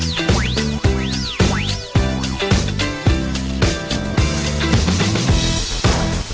สวัสดีครับ